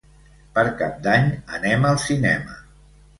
Per Cap d'Any anem al cinema.